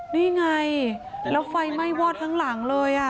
นี่ไงแล้วไฟไหม้วอดทั้งหลังเลย